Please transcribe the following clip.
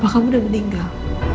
bapak kamu udah meninggal